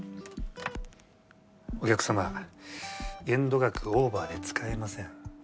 お客様限度額オーバーで使えません。